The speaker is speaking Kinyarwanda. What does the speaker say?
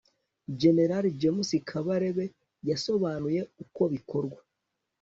Gen James Kabarebe yasobanuye uko bikorwa